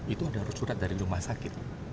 itu adalah surat dari rumah sakit